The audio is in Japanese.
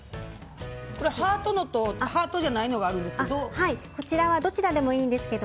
ハートのとハートじゃないのがあるんですけど。